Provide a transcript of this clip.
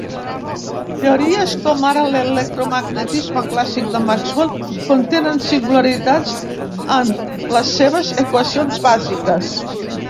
Teories com ara l'electromagnetisme clàssic de Maxwell contenen singularitats en les seves equacions bàsiques.